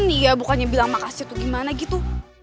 iya bukannya bilang makasih tuh gimana gitu